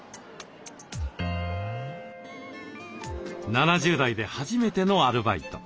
７０代で初めてのアルバイト。